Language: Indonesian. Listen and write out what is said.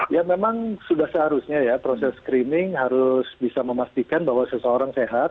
ya memang sudah seharusnya ya proses screening harus bisa memastikan bahwa seseorang sehat